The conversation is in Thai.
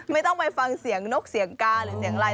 ไม่ต้องไปฟังเสียงนกเสียงกาหรือเสียงอะไร